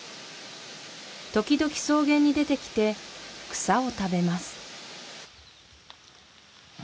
時々草原に出てきて草を食べます